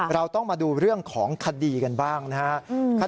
เราต้องมาดูเรื่องของคดีกันบ้างนะครับ